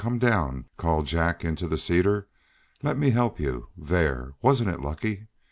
Come down," called Jack into the cedar. "Let me help you there! Wasn't it lucky?